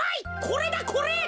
これだこれ。